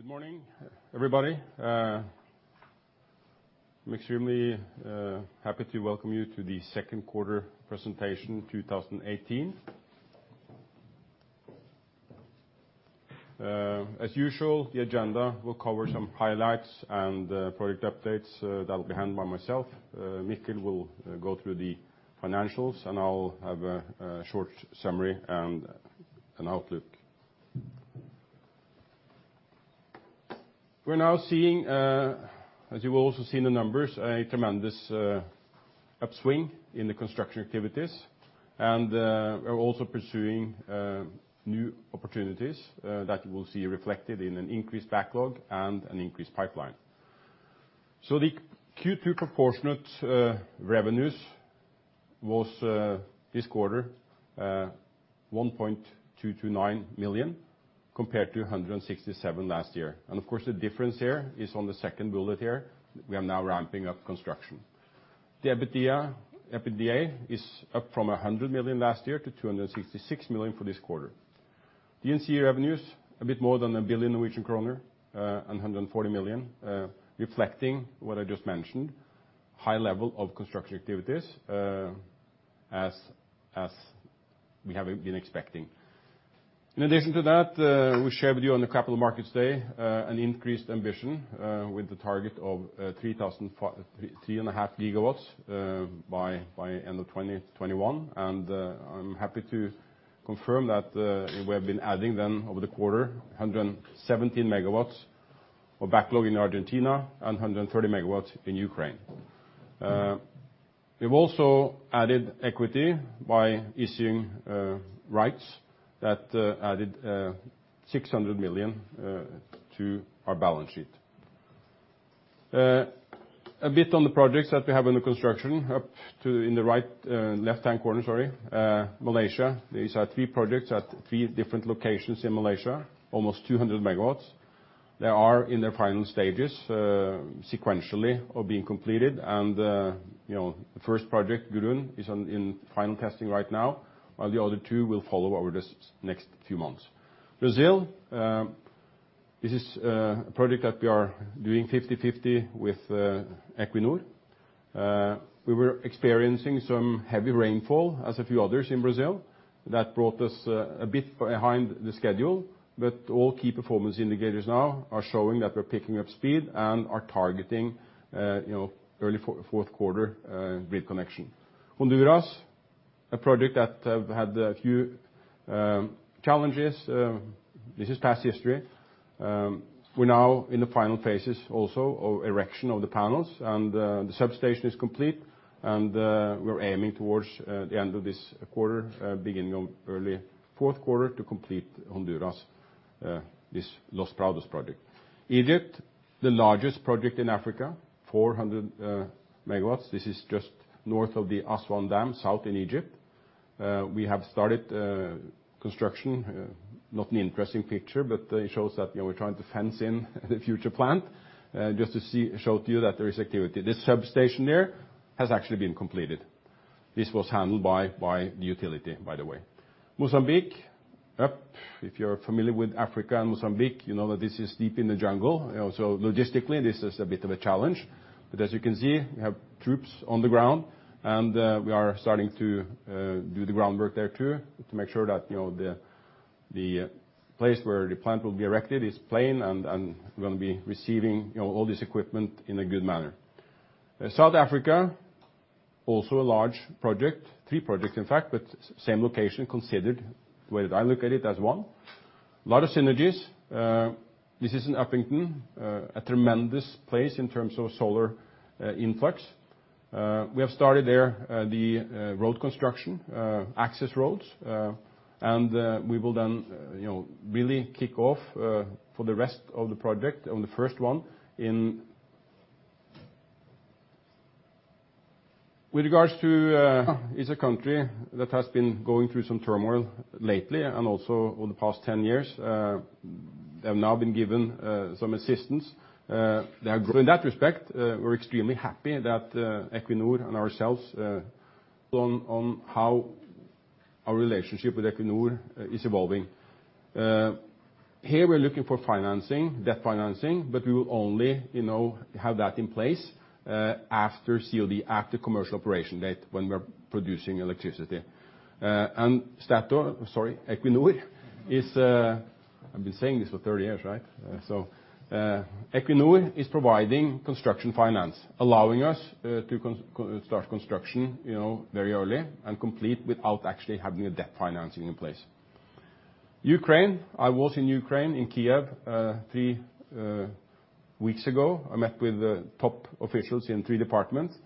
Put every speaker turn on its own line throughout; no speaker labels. Good morning, everybody. I'm extremely happy to welcome you to the second quarter presentation 2018. As usual, the agenda will cover some highlights and project updates that will be handled by myself. Mikkel will go through the financials, and I'll have a short summary and an outlook. We're now seeing, as you will also see in the numbers, a tremendous upswing in the construction activities. We're also pursuing new opportunities that you will see reflected in an increased backlog and an increased pipeline. The Q2 proportionate revenues was this quarter, 1,229 million, compared to 167 last year. Of course, the difference here is on the second bullet here. We are now ramping up construction. The EBITDA is up from 100 million last year to 266 million for this quarter. The D&C revenues, a bit more than 1 billion Norwegian kroner, 140 million, reflecting what I just mentioned, high level of construction activities, as we have been expecting. In addition to that, we shared with you on the Capital Markets Day an increased ambition with the target of 3.5 gigawatts by end of 2021. I'm happy to confirm that we have been adding them over the quarter, 117 megawatts of backlog in Argentina and 130 megawatts in Ukraine. We've also added equity by issuing rights that added 600 million to our balance sheet. A bit on the projects that we have under construction up to in the right, left-hand corner, sorry Malaysia. These are three projects at three different locations in Malaysia, almost 200 megawatts. They are in their final stages sequentially of being completed, and the first project, Gurun, is in final testing right now, while the other two will follow over this next few months. Brazil. This is a project that we are doing 50/50 with Equinor. We were experiencing some heavy rainfall as a few others in Brazil. That brought us a bit behind the schedule, but all key performance indicators now are showing that we're picking up speed and are targeting early fourth quarter grid connection. Honduras, a project that have had a few challenges. This is past history. We're now in the final phases also of erection of the panels, and the substation is complete, and we're aiming towards the end of this quarter, beginning of early fourth quarter to complete Honduras, this Los Prados project. Egypt, the largest project in Africa, 400 megawatts. This is just north of the Aswan Dam, south in Egypt. We have started construction. Not an interesting picture, but it shows that we're trying to fence in the future plant. Just to show to you that there is activity. This substation there has actually been completed. This was handled by the utility, by the way. Mozambique. Up. If you're familiar with Africa and Mozambique, you know that this is deep in the jungle. Logistically, this is a bit of a challenge. As you can see, we have troops on the ground, we are starting to do the groundwork there too to make sure that the place where the plant will be erected is plain and going to be receiving all this equipment in a good manner. South Africa, also a large project. Three projects, in fact, but same location considered. The way that I look at it as one. A lot of synergies. This is in Upington, a tremendous place in terms of solar influx. We have started there the road construction, access roads. And we will then really kick off for the rest of the project on the first one in. With regards to, it's a country that has been going through some turmoil lately and also over the past 10 years. They have now been given some assistance. They are growing. In that respect, we're extremely happy that Equinor and ourselves on how our relationship with Equinor is evolving. Here we're looking for financing, debt financing, but we will only have that in place after COD, after commercial operation date, when we're producing electricity. And Statoil, sorry, Equinor is. I've been saying this for 30 years, right? Equinor is providing construction finance, allowing us to start construction very early and complete without actually having a debt financing in place. Ukraine. I was in Ukraine in Kyiv three weeks ago. I met with top officials in three departments,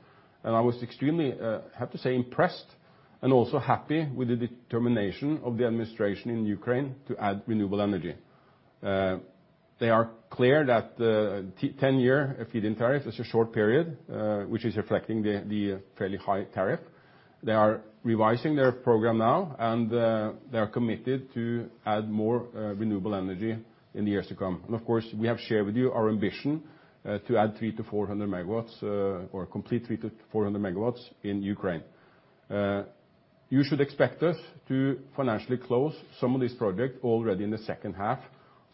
and I was extremely, I have to say, impressed and also happy with the determination of the administration in Ukraine to add renewable energy. They are clear that the 10-year feed-in tariff is a short period, which is reflecting the fairly high tariff. They are revising their program now, and they are committed to add more renewable energy in the years to come. And of course, we have shared with you our ambition to add 300 to 400 megawatts or complete 300 to 400 megawatts in Ukraine. You should expect us to financially close some of these projects already in the second half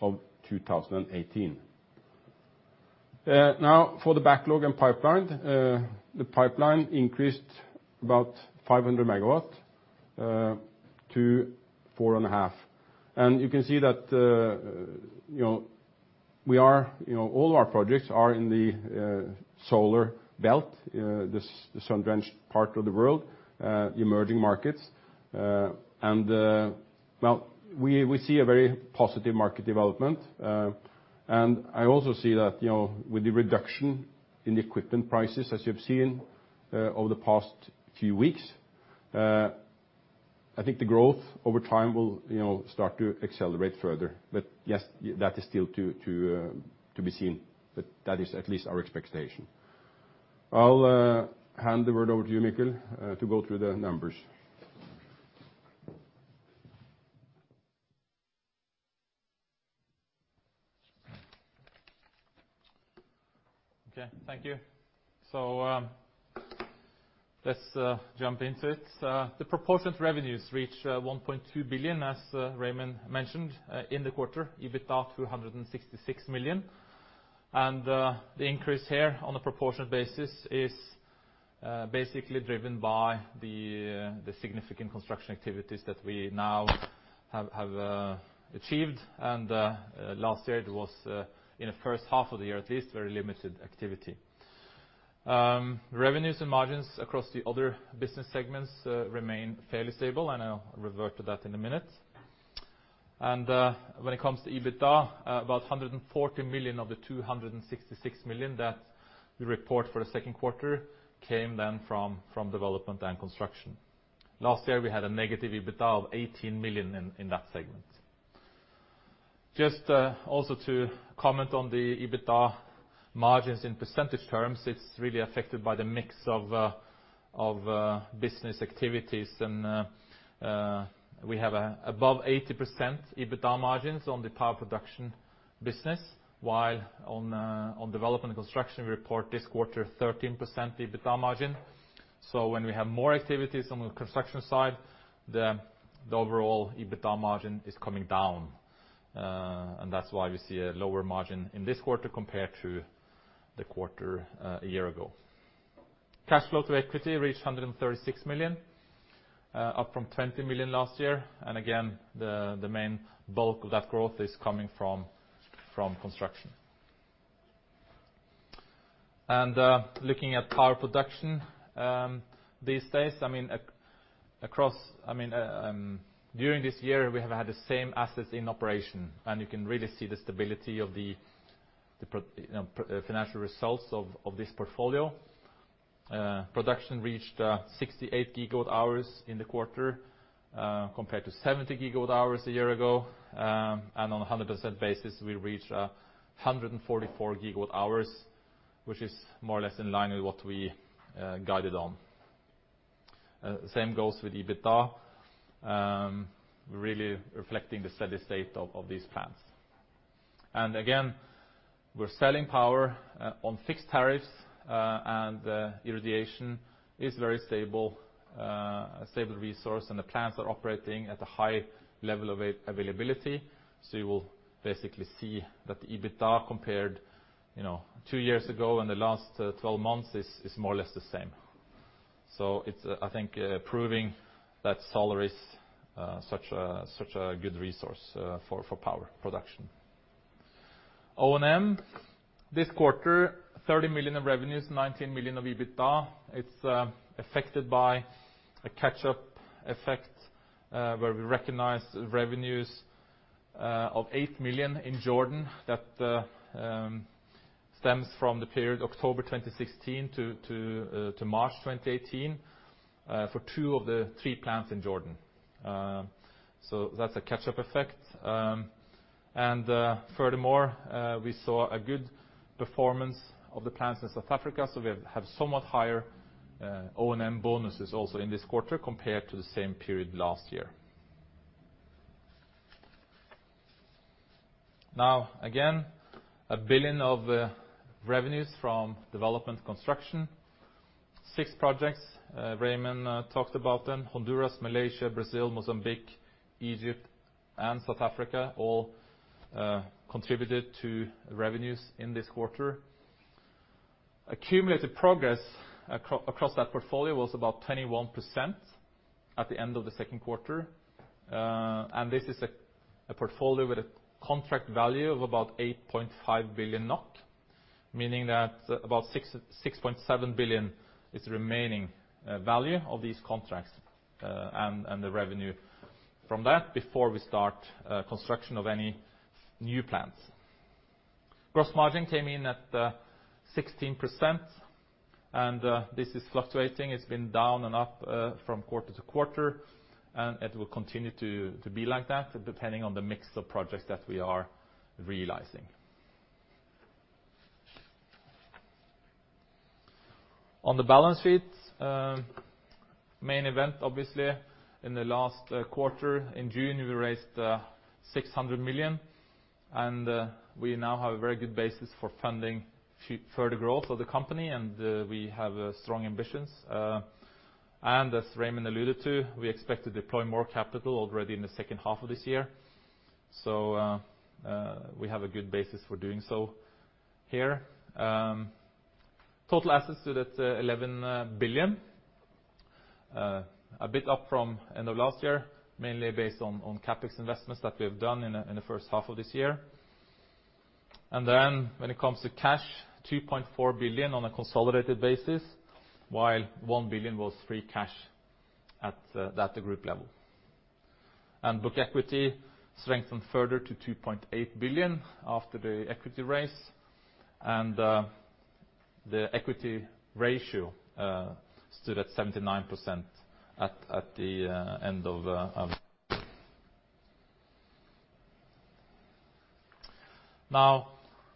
of 2018. For the backlog and pipeline. The pipeline increased about 500 megawatts to four and a half. And you can see that all our projects are in the solar belt, the sun-drenched part of the world, the emerging markets. And we see a very positive market development. And I also see that with the reduction in equipment prices, as you have seen over the past few weeks, I think the growth over time will start to accelerate further. But yes, that is still to be seen. But that is at least our expectation. I'll hand the word over to you, Mikkel, to go through the numbers.
Thank you. So let's jump into it. The proportionate revenues reach 1.2 billion, as Raymond mentioned, in the quarter. EBITDA, 266 million. And the increase here on a proportionate basis is basically driven by the significant construction activities that we now have achieved. And last year it was, in the first half of the year at least, very limited activity. Revenues and margins across the other business segments remain fairly stable, and I'll revert to that in a minute. And when it comes to EBITDA, about 140 million of the 266 million that we report for the second quarter came from development and construction. Last year, we had a negative EBITDA of 18 million in that segment. Just also to comment on the EBITDA margins in percentage terms, it's really affected by the mix of business activities. We have above 80% EBITDA margins on the power production business, while on development and construction, we report this quarter 13% EBITDA margin. When we have more activities on the construction side, the overall EBITDA margin is coming down. That's why we see a lower margin in this quarter compared to the quarter a year ago. Cash flow to equity reached 136 million, up from 20 million last year. Again, the main bulk of that growth is coming from construction. Looking at power production these days, during this year, we have had the same assets in operation. You can really see the stability of the financial results of this portfolio. Production reached 68 gigawatt hours in the quarter compared to 70 gigawatt hours a year ago. On a 100% basis, we reached 144 gigawatt hours, which is more or less in line with what we guided on. Same goes with EBITDA, really reflecting the steady state of these plants. Again, we're selling power on fixed tariffs. Irradiation is a very stable resource, and the plants are operating at a high level of availability. You will basically see that the EBITDA compared two years ago and the last 12 months is more or less the same. It's, I think, proving that solar is such a good resource for power production. O&M this quarter, 30 million of revenues, 19 million of EBITDA. It's affected by a catch-up effect where we recognize revenues of 8 million in Jordan that stems from the period October 2016 to March 2018 for two of the three plants in Jordan. That's a catch-up effect. Furthermore, we saw a good performance of the plants in South Africa. We have somewhat higher O&M bonuses also in this quarter compared to the same period last year. Again, 1 billion of revenues from development construction. Six projects, Raymond talked about them. Honduras, Malaysia, Brazil, Mozambique, Egypt, and South Africa all contributed to revenues in this quarter. Accumulated progress across that portfolio was about 21% at the end of the second quarter. This is a portfolio with a contract value of about 8.5 billion NOK, meaning that about 6.7 billion is the remaining value of these contracts and the revenue from that before we start construction of any new plants. Gross margin came in at 16%, and this is fluctuating. It's been down and up from quarter to quarter, and it will continue to be like that depending on the mix of projects that we are realizing. On the balance sheet, main event, obviously, in the last quarter, in June, we raised 600 million. We now have a very good basis for funding further growth of the company, and we have strong ambitions. As Raymond alluded to, we expect to deploy more capital already in the second half of this year. We have a good basis for doing so here. Total assets stood at 11 billion, a bit up from end of last year, mainly based on CapEx investments that we have done in the first half of this year. When it comes to cash, 2.4 billion on a consolidated basis, while 1 billion was free cash at that group level. Book equity strengthened further to 2.8 billion after the equity raise, and the equity ratio stood at 79% at the end of.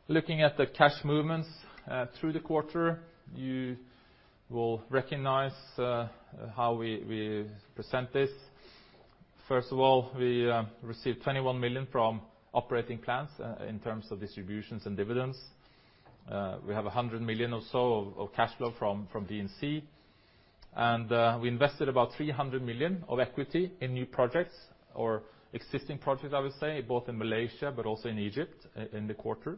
Looking at the cash movements through the quarter, you will recognize how we present this. We received 21 million from operating plants in terms of distributions and dividends. We have 100 million or so of cash flow from D&C. We invested about 300 million of equity in new projects or existing projects, I would say, both in Malaysia but also in Egypt in the quarter.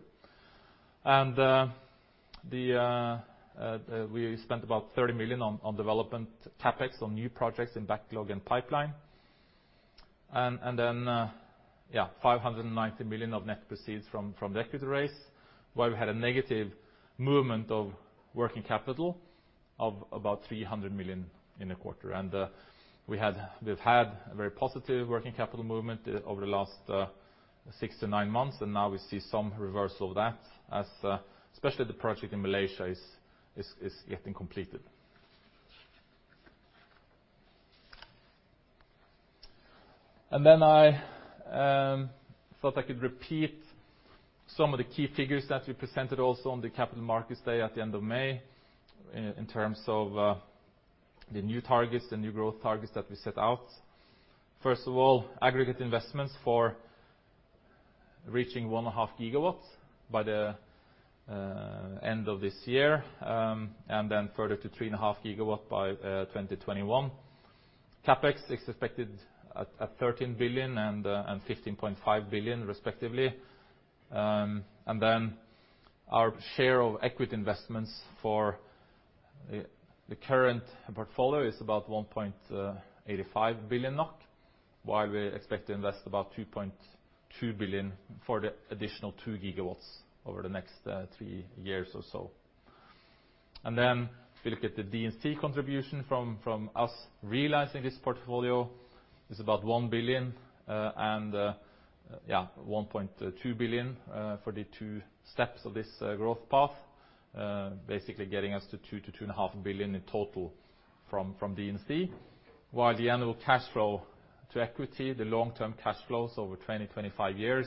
We spent about 30 million on development CapEx on new projects in backlog and pipeline. 590 million of net proceeds from the equity raise, while we had a negative movement of working capital of about 300 million in the quarter. We've had a very positive working capital movement over the last 6-9 months, and now we see some reversal of that as especially the project in Malaysia is getting completed. I thought I could repeat some of the key figures that we presented also on the Capital Markets Day at the end of May in terms of the new targets, the new growth targets that we set out. Aggregate investments for reaching 1.5 gigawatts by the end of this year, then further to 3.5 gigawatts by 2021. CapEx is expected at 13 billion and 15.5 billion respectively. Our share of equity investments for the current portfolio is about 1.85 billion NOK, while we expect to invest about 2.2 billion for the additional 2 gigawatts over the next 3 years or so. If you look at the D&C contribution from us realizing this portfolio is about 1 billion, and 1.2 billion for the 2 steps of this growth path. Basically getting us to 2 billion-2.5 billion in total from D&C. While the annual cash flow to equity, the long-term cash flows over 20-25 years,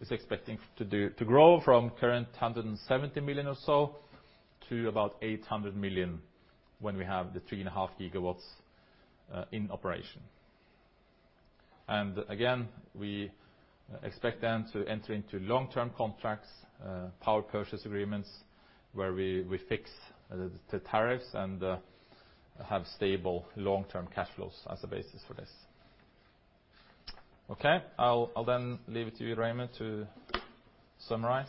is expecting to grow from current 170 million or so to about 800 million when we have the 3.5 gigawatts in operation. We expect then to enter into long-term contracts, power purchase agreements, where we fix the tariffs and have stable long-term cash flows as a basis for this. I'll then leave it to you, Raymond, to summarize.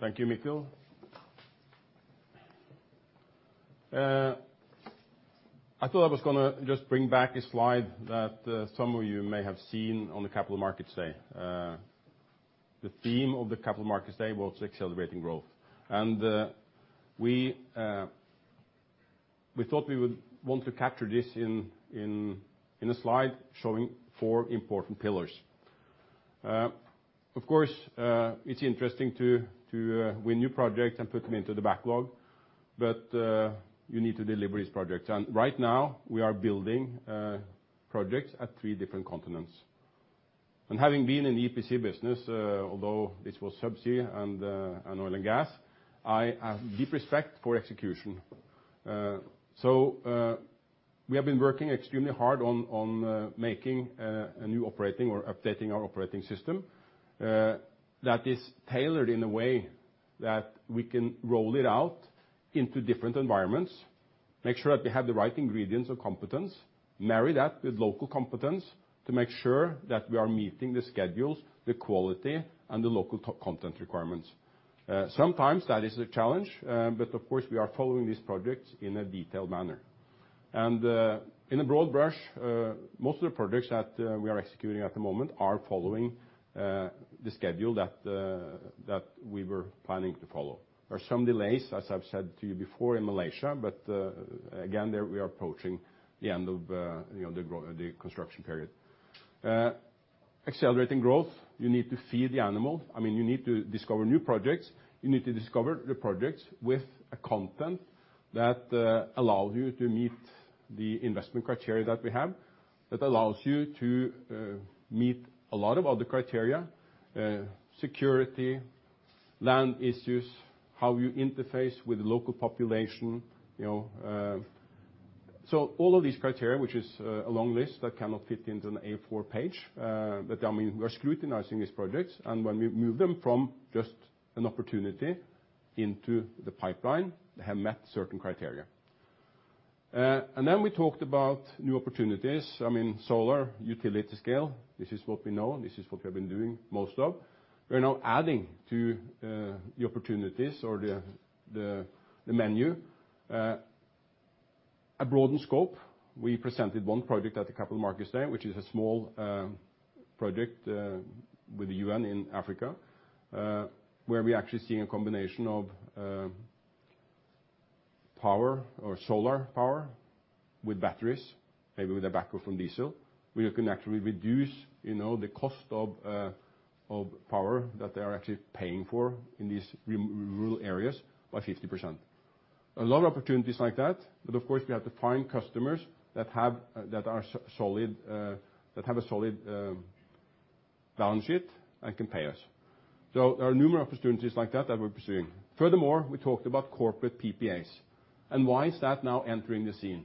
Thank you, Mikkel. I thought I was going to just bring back a slide that some of you may have seen on the Capital Markets Day. The theme of the Capital Markets Day was accelerating growth. We thought we would want to capture this in a slide showing 4 important pillars. Of course, it's interesting to win new projects and put them into the backlog, but you need to deliver these projects. Right now we are building projects at 3 different continents. Having been in the EPC business, although this was subsea and oil and gas, I have deep respect for execution. We have been working extremely hard on making a new operating or updating our operating system that is tailored in a way that we can roll it out into different environments, make sure that we have the right ingredients of competence, marry that with local competence to make sure that we are meeting the schedules, the quality, and the local content requirements. Sometimes that is a challenge, but of course we are following these projects in a detailed manner. In a broad brush, most of the projects that we are executing at the moment are following the schedule that we were planning to follow. There are some delays, as I've said to you before in Malaysia, but again, there we are approaching the end of the construction period. Accelerating growth, you need to feed the animal. You need to discover new projects. You need to discover the projects with a content that allows you to meet the investment criteria that we have, that allows you to meet a lot of other criteria, security, land issues, how you interface with the local population. All of these criteria, which is a long list that cannot fit into an A4 page, but we are scrutinizing these projects, and when we move them from just an opportunity into the pipeline, they have met certain criteria. Then we talked about new opportunities. Solar, utility-scale, this is what we know, this is what we have been doing most of. We are now adding to the opportunities or the menu, a broadened scope. We presented one project at the Capital Markets Day, which is a small project with the UN in Africa, where we actually are seeing a combination of power or solar power with batteries, maybe with a backup from diesel. We can actually reduce the cost of power that they are actually paying for in these rural areas by 50%. A lot of opportunities like that, but of course, we have to find customers that have a solid balance sheet and can pay us. There are numerous opportunities like that that we're pursuing. Furthermore, we talked about corporate PPAs. Why is that now entering the scene?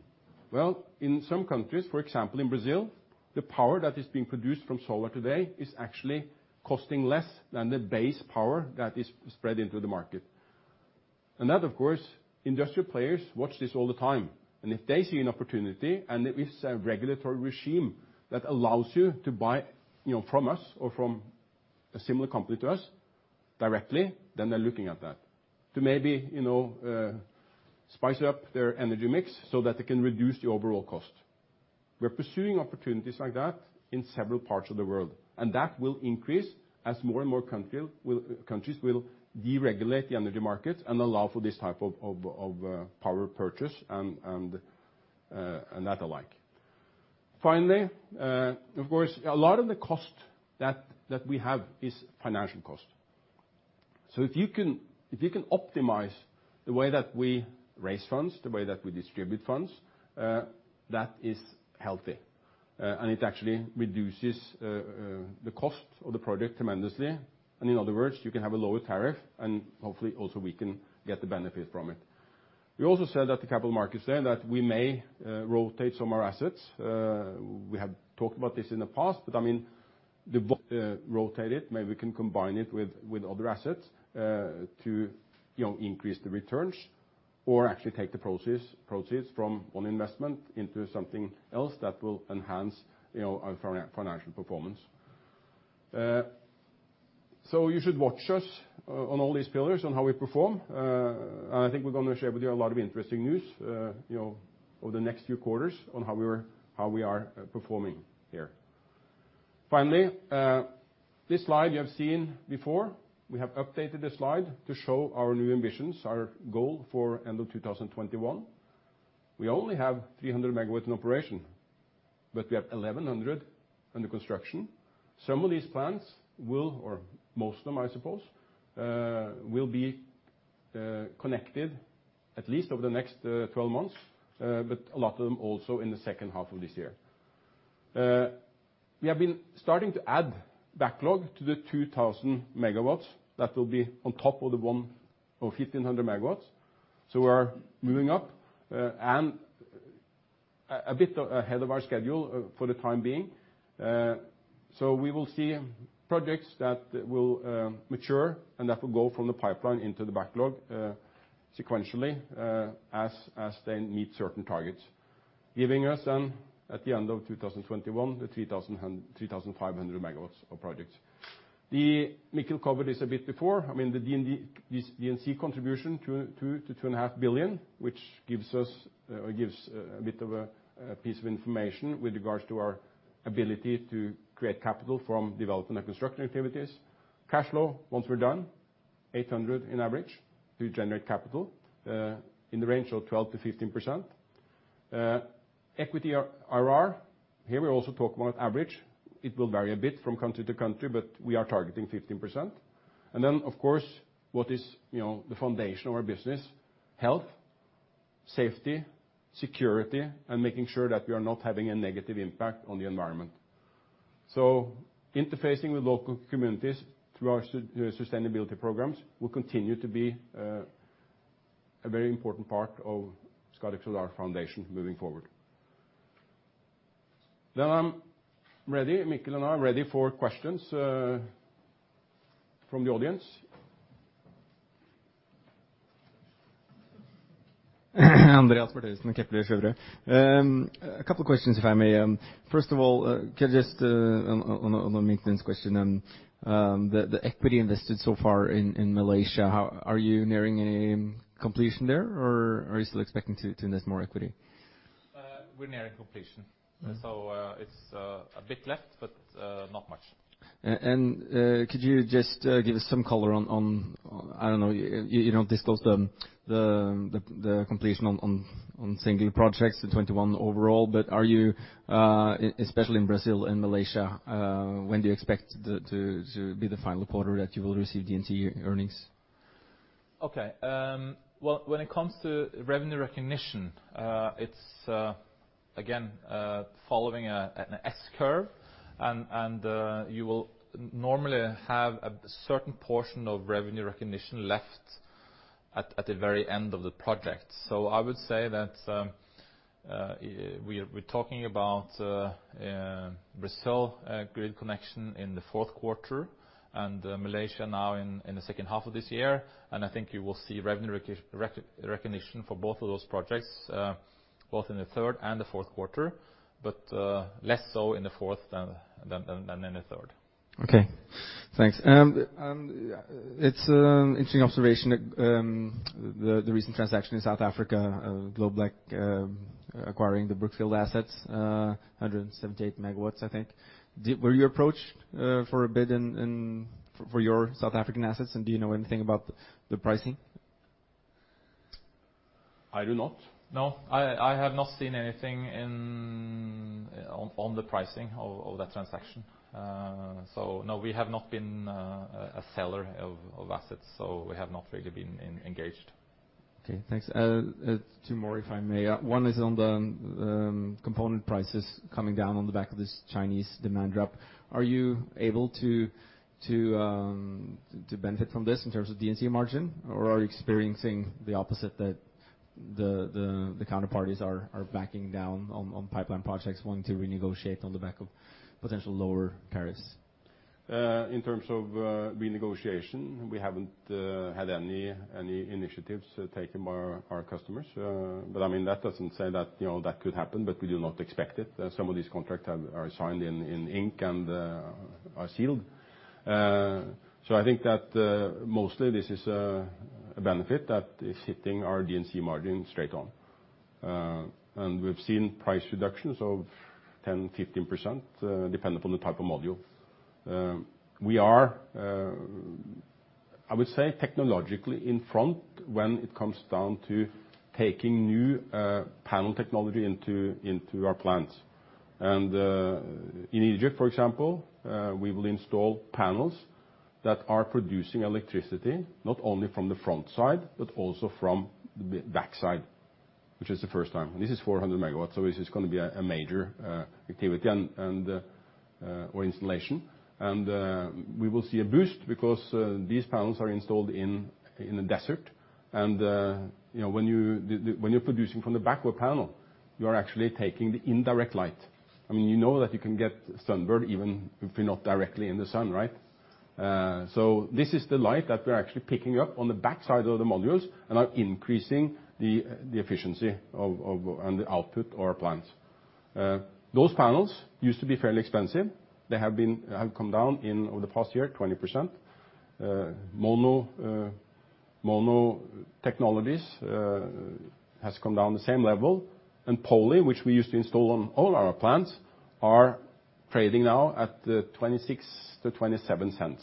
Well, in some countries, for example, in Brazil, the power that is being produced from solar today is actually costing less than the base power that is spread into the market. That, of course, industrial players watch this all the time. If they see an opportunity, it is a regulatory regime that allows you to buy from us or from a similar company to us directly, then they're looking at that to maybe spice up their energy mix so that they can reduce the overall cost. We are pursuing opportunities like that in several parts of the world, and that will increase as more and more countries will deregulate the energy markets and allow for this type of power purchase and that alike. Finally, of course, a lot of the cost that we have is financial cost. If you can optimize the way that we raise funds, the way that we distribute funds, that is healthy, and it actually reduces the cost of the project tremendously, and in other words, you can have a lower tariff and hopefully also we can get the benefit from it. We also said at the Capital Markets Day that we may rotate some of our assets. We have talked about this in the past, but the rotate it, maybe we can combine it with other assets to increase the returns or actually take the proceeds from one investment into something else that will enhance our financial performance. You should watch us on all these pillars on how we perform. I think we are going to share with you a lot of interesting news over the next few quarters on how we are performing here. This slide you have seen before. We have updated this slide to show our new ambitions, our goal for end of 2021. We only have 300 megawatts in operation, but we have 1,100 under construction. Some of these plants will, or most of them I suppose, will be connected at least over the next 12 months, but a lot of them also in the second half of this year. We have been starting to add backlog to the 2,000 megawatts that will be on top of the 1,500 megawatts. We are moving up, and a bit ahead of our schedule for the time being. We will see projects that will mature and that will go from the pipeline into the backlog sequentially as they meet certain targets, giving us then at the end of 2021, the 3,500 megawatts of projects. Mikkel covered this a bit before. The D&C contribution, 2 billion-2.5 billion, which gives a bit of a piece of information with regards to our ability to create capital from development and construction activities. Cash flow, once we are done, 800 in average to generate capital, in the range of 12%-15%. Equity IRR, here we are also talking about average. It will vary a bit from country to country, but we are targeting 15%. Of course, what is the foundation of our business, health, safety, security, and making sure that we are not having a negative impact on the environment. Interfacing with local communities through our sustainability programs will continue to be a very important part of Scatec Solar foundation moving forward. I am ready, Mikkel and I are ready for questions from the audience.
Andreas Bertheussen with Kepler Cheuvreux. A couple of questions, if I may. First of all, could I just on a maintenance question, the equity invested so far in Malaysia, are you nearing a completion there or are you still expecting to invest more equity?
We're nearing completion. It's a bit left, but not much.
Could you just give us some color on, I don't know, you don't disclose the completion on single projects in 2021 overall, but are you, especially in Brazil and Malaysia, when do you expect to be the final quarter that you will receive D&C earnings?
Okay. Well, when it comes to revenue recognition, it's again following an S curve and you will normally have a certain portion of revenue recognition left at the very end of the project. I would say that we're talking about Brazil grid connection in the fourth quarter, and Malaysia now in the second half of this year. I think you will see revenue recognition for both of those projects, both in the third and the fourth quarter, but less so in the fourth than in the third.
Okay, thanks. It's an interesting observation the recent transaction in South Africa, Globeleq acquiring the Brookfield assets, 178 megawatts, I think. Were you approached for a bid for your South African assets, and do you know anything about the pricing?
I do not.
No, I have not seen anything on the pricing of that transaction. No, we have not been a seller of assets, so we have not really been engaged.
Okay, thanks. Two more, if I may. One is on the component prices coming down on the back of this Chinese demand drop. Are you able to benefit from this in terms of D&C margin, or are you experiencing the opposite, that the counterparties are backing down on pipeline projects wanting to renegotiate on the back of potential lower tariffs?
In terms of renegotiation, we haven't had any initiatives taken by our customers. That doesn't say that could happen, but we do not expect it. Some of these contracts are signed in ink and are sealed. I think that mostly this is a benefit that is hitting our D&C margin straight on. We've seen price reductions of 10%-15%, depending on the type of module. We are, I would say, technologically in front when it comes down to taking new panel technology into our plants. In Egypt, for example, we will install panels that are producing electricity, not only from the front side, but also from the backside, which is the first time. This is 400 MW, so this is going to be a major activity or installation. We will see a boost because these panels are installed in the desert, when you're producing from the bifacial panel, you are actually taking the indirect light. You know that you can get sunburned even if you're not directly in the sun, right? This is the light that we're actually picking up on the backside of the modules and are increasing the efficiency and the output of our plants. Those panels used to be fairly expensive. They have come down in the past year 20%. Monocrystalline technologies has come down the same level, and polycrystalline, which we used to install on all our plants, are trading now at $0.26 to $0.27.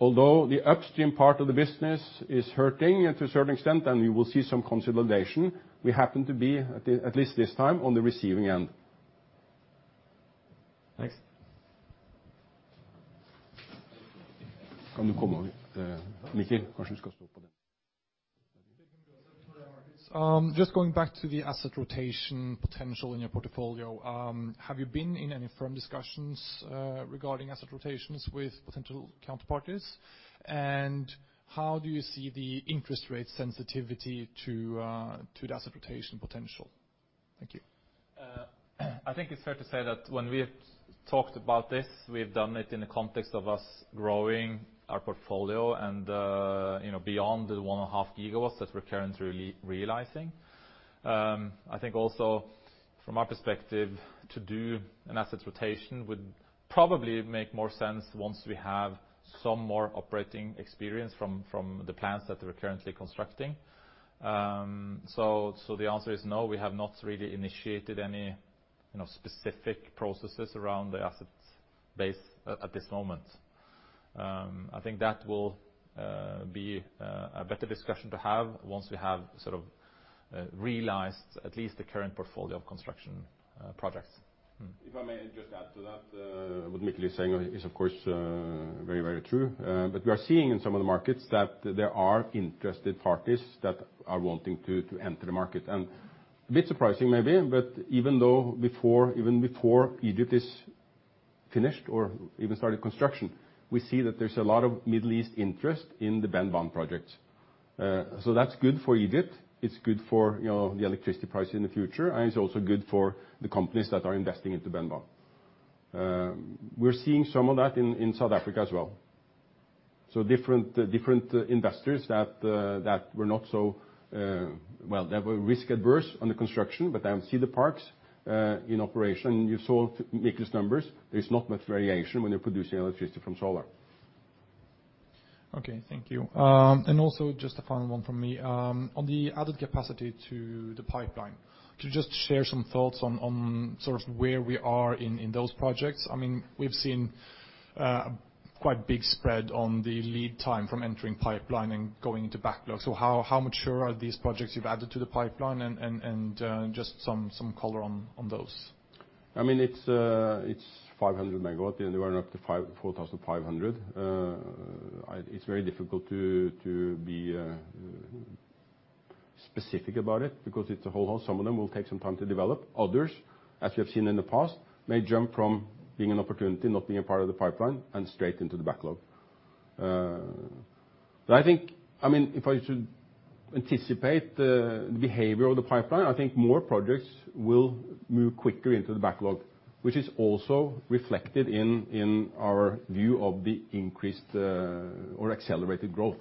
Although the upstream part of the business is hurting to a certain extent and we will see some consolidation, we happen to be, at least this time, on the receiving end.
Thanks.
Can you come over, Mikkel? Perhaps you should stand on that.
Just going back to the asset rotation potential in your portfolio. Have you been in any firm discussions regarding asset rotations with potential counterparties? How do you see the interest rate sensitivity to the asset rotation potential? Thank you.
I think it's fair to say that when we have talked about this, we've done it in the context of us growing our portfolio and beyond the one and a half gigawatts that we're currently realizing. I think also from our perspective, to do an asset rotation would probably make more sense once we have some more operating experience from the plants that we're currently constructing. The answer is no, we have not really initiated any specific processes around the asset base at this moment. I think that will be a better discussion to have once we have sort of realized at least the current portfolio of construction projects.
If I may just add to that, what Mikkel is saying is, of course, very true. We are seeing in some of the markets that there are interested parties that are wanting to enter the market. A bit surprising maybe, but even before Egypt is finished or even started construction, we see that there is a lot of Middle East interest in the Benban project. That is good for Egypt, it is good for the electricity price in the future, and it is also good for the companies that are investing into Benban. We are seeing some of that in South Africa as well. Different investors that were risk-averse on the construction, but then see the parks in operation. You saw Mikkel's numbers. There is not much variation when you are producing electricity from solar.
Okay, thank you. Also just a final one from me. On the added capacity to the pipeline, could you just share some thoughts on sort of where we are in those projects? We have seen a quite big spread on the lead time from entering pipeline and going into backlog. So how mature are these projects you have added to the pipeline and just some color on those.
It is 500 megawatt, and they went up to 4,500. It is very difficult to be specific about it because it is a whole host. Some of them will take some time to develop. Others, as you have seen in the past, may jump from being an opportunity, not being a part of the pipeline, and straight into the backlog. If I should anticipate the behavior of the pipeline, I think more projects will move quicker into the backlog, which is also reflected in our view of the increased or accelerated growth.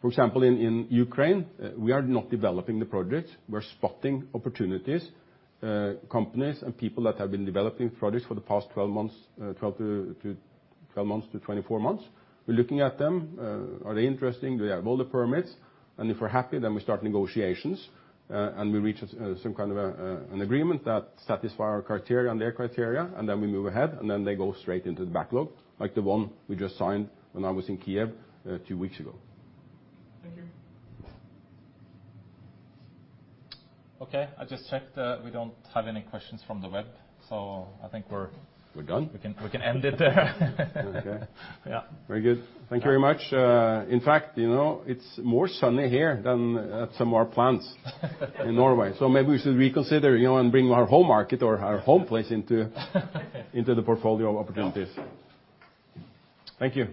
For example, in Ukraine, we are not developing the projects. We are spotting opportunities, companies and people that have been developing projects for the past 12 months to 24 months. We are looking at them. Are they interesting? Do they have all the permits? If we are happy, then we start negotiations, and we reach some kind of an agreement that satisfy our criteria and their criteria. Then we move ahead. Then they go straight into the backlog, like the one we just signed when I was in Kyiv two weeks ago.
Thank you.
Okay, I just checked. We don't have any questions from the web, so I think.
We're done?
We can end it there.
Okay.
Yeah.
Very good. Thank you very much. In fact, it's more sunny here than at some of our plants in Norway. Maybe we should reconsider and bring our home market or our home place into the portfolio of opportunities.
Yeah.
Thank you